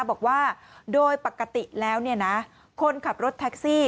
บอกว่าโดยปกติแล้วคนขับรถแท็กซี่